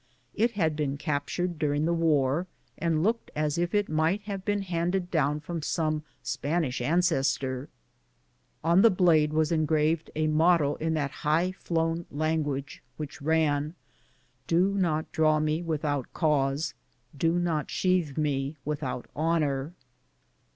It had been captured dur ing the war, and looked as if it might have been handed down from some Spanish ancestor. On the blade was engraved a motto in that high flown language, wliicli ran :Do not draw me without cause ; Do not sheathe me without honor."